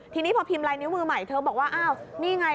ทีนี้พอพิมพ์ลายนิ้วมือใหม่เธอบอกว่าอ้าวนี่ไง